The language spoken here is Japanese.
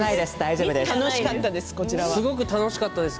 すごく楽しかったです。